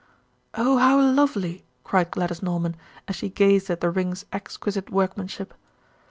"Oh, how lovely!" cried Gladys Norman, as she gazed at the ring's exquisite workmanship.